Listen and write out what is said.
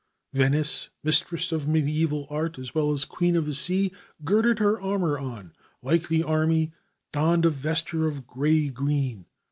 "Venice, mistress of medieval art as well as queen of the sea, girded her armor on, like the army, donned a vesture of gray green.